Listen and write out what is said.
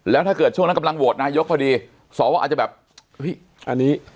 แล้วถ้าเกิดช่วงนั้นกำลังโหวตนายกพอดีสวอาจจะแบบเฮ้ยอันนี้